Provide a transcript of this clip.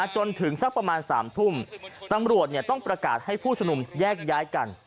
จนถึงสักประมาณ๓ทุ่มตำรวจต้องประกาศให้ผู้ชมนุมแยกย้ายกัน